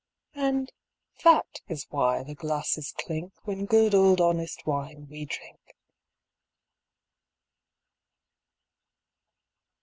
And that is why the glasses clink When good old honest wine we drink.